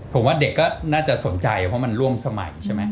ผมว่าเด็กก็น่าจะสนใจเพราะมันร่วมสมัยใช่ไหม